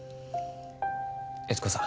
悦子さん。